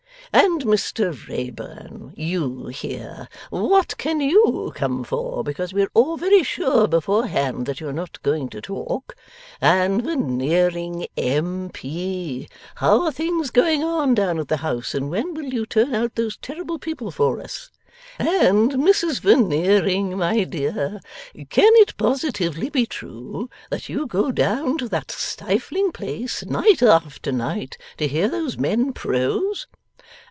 And Mr Wrayburn, YOU here! What can YOU come for, because we are all very sure before hand that you are not going to talk! And Veneering, M.P., how are things going on down at the house, and when will you turn out those terrible people for us? And Mrs Veneering, my dear, can it positively be true that you go down to that stifling place night after night, to hear those men prose?